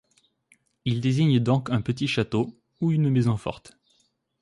Il désigne donc un petit château ou une maison forte.